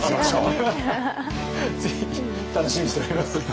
楽しみにしております。